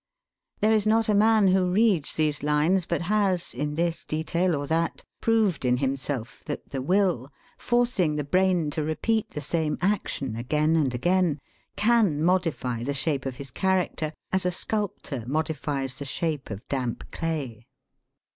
There is not a man who reads these lines but has, in this detail or that, proved in himself that the will, forcing the brain to repeat the same action again and again, can modify the shape of his character as a sculptor modifies the shape of damp clay.